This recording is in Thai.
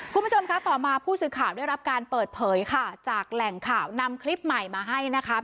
คุณผู้ชมคะต่อมาผู้สื่อข่าวได้รับการเปิดเผยค่ะจากแหล่งข่าวนำคลิปใหม่มาให้นะคะ